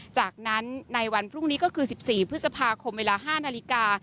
จากนั้นในวันพรุ่งนี้ก็คือ๑๔พฤษภาคมเวลา๕นาฬิกา